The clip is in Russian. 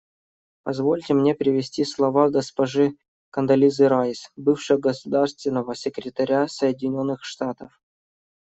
Позвольте мне привести слова госпожи Кондолизы Райс, бывшего государственного секретаря Соединенных Штатов.